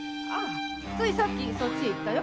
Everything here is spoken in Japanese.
ついさっき女の人とそっちへ行ったよ。